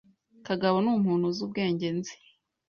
Kagabo numuntu uzi ubwenge nzi.